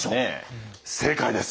正解です。